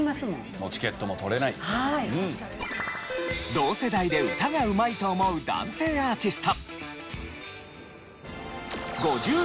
同世代で歌がうまいと思う男性アーティスト。